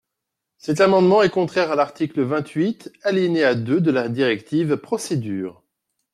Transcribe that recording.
Cet amendement est contraire à l’article vingt-huit, alinéa deux de la directive « Procédure ».